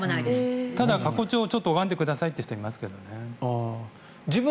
過去帳を拝んでくださいという人はいますけどね。